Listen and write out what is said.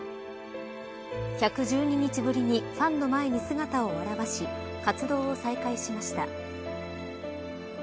１１２日ぶりにファンの前に姿を現し活動を再開しました。